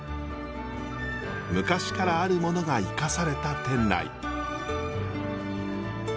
昔からあるものが生かされた店内。